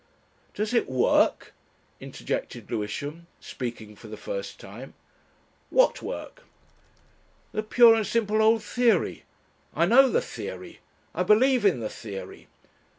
"Does it work?" interjected Lewisham, speaking for the first time. "What work?" "The pure and simple old theory. I know the theory. I believe in the theory.